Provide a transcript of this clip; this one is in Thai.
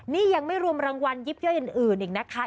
นี่ยังไม่รวมรางวัลยิบย่อยอื่นอีกนะคะ